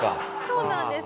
そうなんです。